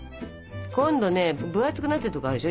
今度ね分厚くなってるところあるでしょ？